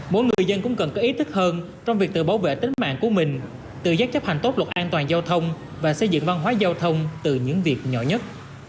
mỗi người dân cũng cần có ý thức hơn trong việc tự bảo vệ tính mạng của mình tự giác chấp hành tốt luật an toàn giao thông và xây dựng văn hóa giao thông từ những việc nhỏ nhất